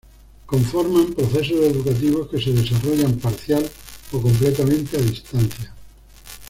Conforman procesos educativos que se desarrollan parcial o completamente a distancia.